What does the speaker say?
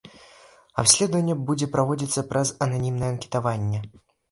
Абследаванне будзе праводзіцца праз ананімнае анкетаванне.